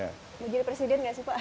mau jadi presiden nggak sih pak